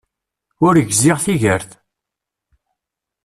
Ur gziɣ tigert.